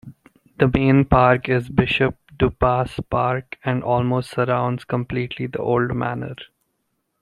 The main park is Bishop Duppas Park and almost surrounds completely the Old Manor.